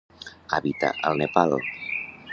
Habita al Nepal.